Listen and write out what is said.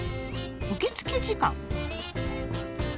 「受付時間」？